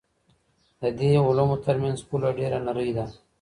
د دې علومو ترمنځ پوله ډېره نرۍ ده.